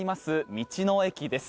道の駅です。